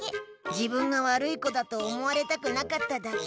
自分が悪い子だと思われたくなかっただけ。